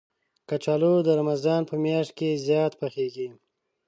کچالو د رمضان په میاشت کې زیات پخېږي